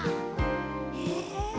へえ。